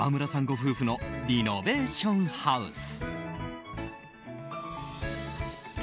ご夫婦のリノベーションハウス。